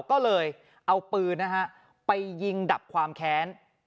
ก็เลยเอาปืนไปยิงดับความแข็ง